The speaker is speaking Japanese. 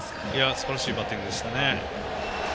すばらしいバッティングでした。